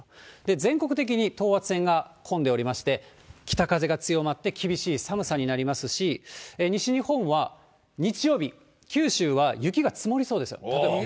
全国的に等圧線がこんでおりまして、北風が強まって、厳しい寒さになりますし、西日本は、日曜日、九州は雪が積もりそうです。